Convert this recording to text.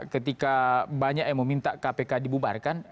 ketika banyak yang meminta kpk dibubarkan